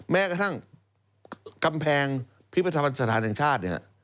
แม้กระทั่งกำแพงพิพิธภัณฑ์สถานแห่งชาติเนี่ย